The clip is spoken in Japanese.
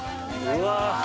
うわ